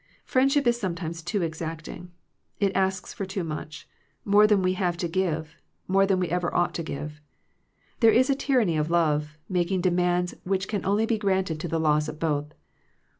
Friendship is sometimes too exacting. It asks for too much, more than we have to give, more than we ever ought to give. There is a tyranny of love, making de mands which can only be granted to the loss of both.